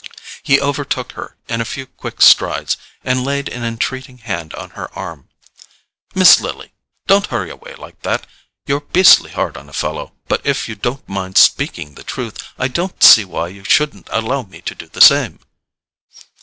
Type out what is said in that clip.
He overtook her in a few quick strides, and laid an entreating hand on her arm. "Miss Lily—don't hurry away like that. You're beastly hard on a fellow; but if you don't mind speaking the truth I don't see why you shouldn't allow me to do the same."